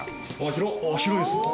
広いですね。